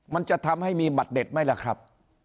มันจะทำให้มีหมัดเด็ดไหมล่ะครับ